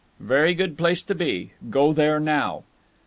"Very good place to be. Go there now."